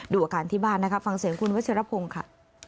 ดูอาการที่บ้านนะคะฟังเสียงคุณวัชรพงศ์ค่ะ